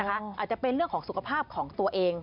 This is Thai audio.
อาจจะเป็นเรื่องของสุขภาพของตัวเอง